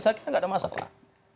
saya kira tidak ada masalah